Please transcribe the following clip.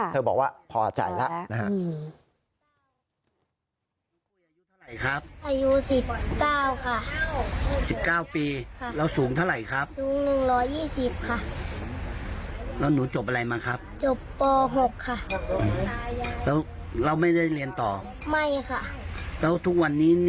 เธอบอกว่าพอใจแล้ว